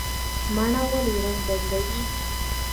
مڼه ولې رنګ بدلوي؟